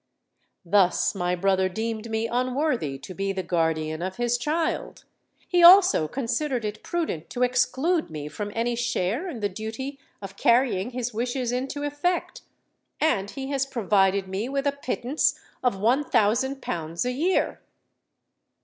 "Thus my brother deemed me unworthy to be the guardian of his child;—he also considered it prudent to exclude me from any share in the duty of carrying his wishes into effect;—and he has provided me with a pittance of one thousand pounds a year."